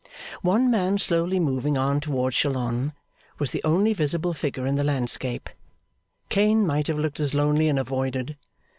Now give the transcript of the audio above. One man slowly moving on towards Chalons was the only visible figure in the landscape. Cain might have looked as lonely and avoided.